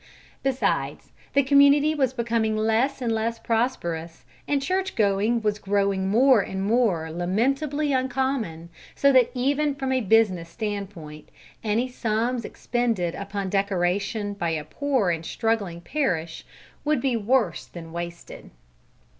Besides, the community was becoming less and less prosperous, and church going was growing more and more lamentably uncommon, so that even from a business standpoint, any sums expended upon decoration by a poor and struggling parish would be worse than wasted.